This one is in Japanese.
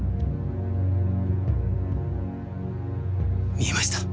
見えました。